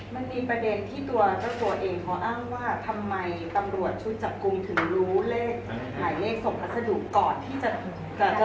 มันมีประเด็นที่ตัวเจ้าตัวเองเขาอ้างว่าทำไมตำรวจชุดจับกลุ่มถึงรู้เลขหมายเลขส่งพัสดุก่อนที่จะเกิด